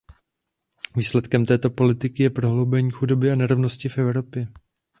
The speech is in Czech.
Výsledkem této politiky je prohloubení chudoby a nerovnosti v Evropě.